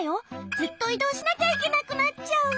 ずっといどうしなきゃいけなくなっちゃう。